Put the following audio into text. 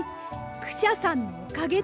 クシャさんのおかげです。